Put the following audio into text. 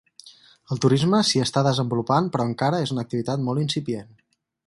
El turisme s'hi està desenvolupant però encara és una activitat molt incipient.